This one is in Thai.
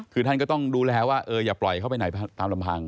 คือท่านก็ต้องดูแลว่าอย่าปล่อยเข้าไปไหนตามลำพัง